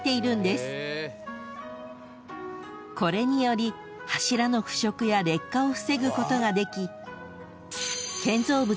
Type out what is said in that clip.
［これにより柱の腐食や劣化を防ぐことができ］